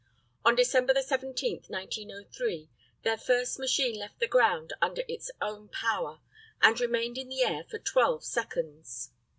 On December 17, 1903, their first machine left the ground under its own power, and remained in the air for twelve seconds.